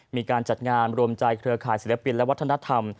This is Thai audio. มีการจัดงานรวมใจเครือข่ายศิลปินและวัฒนธรรม